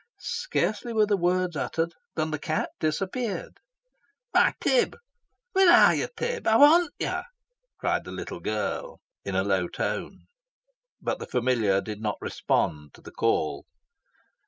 Scarcely were the words uttered, than the cat disappeared. "Why, Tib! where are yo, Tib? Ey want yo!" cried the little girl in a low tone. But the familiar did not respond to the call.